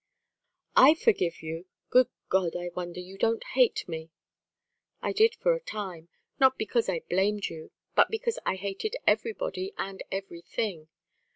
"I forgive you! Good God, I wonder you don't hate me!" "I did for a time, not because I blamed you, but because I hated everybody and everything.